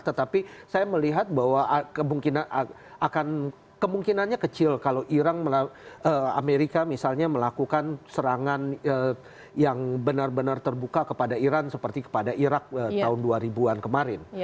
tetapi saya melihat bahwa kemungkinan akan kemungkinannya kecil kalau amerika misalnya melakukan serangan yang benar benar terbuka kepada iran seperti kepada irak tahun dua ribu an kemarin